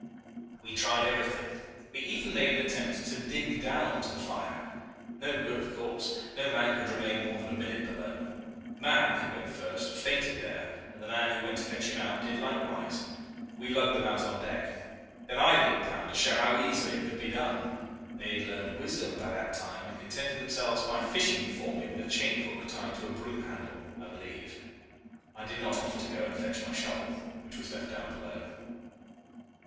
"We tried everything. We even made an attempt to dig down to the fire. No good, of course. No man could remain more than a minute below. Mahon, who went first, fainted there, and the man who went to fetch him out did likewise. We lugged them out on deck. Then I leaped down to show how easily it could be done. They had learned wisdom by that time, and contented themselves by fishing for me with a chain hook tied to a broom handle, I believe. I did not offer to go and fetch up my shovel, which was left down below.